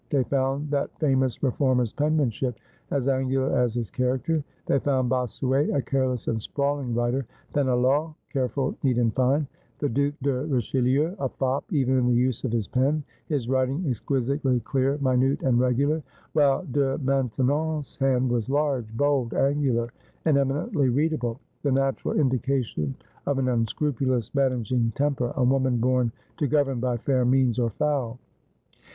They found that famous reformer's penmanship as angular as his character ; they found Bossuet a careless and sprawling writer ; Fenelon care ful, neat, and fine ; the Due de Richelieu a fop even in the use of his pen, his writing exquisitely clear, minute, and regular ; while De Maintenon's hand was large, bold, angular, and emi nently readable — the natural indication of an unscrupulous managing temper, a woman born to govern, by fair means or foul.